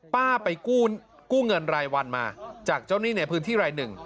ป้าไปกู้เงินรายวันมาจากเจ้าหนี้ในพื้นที่รายหนึ่ง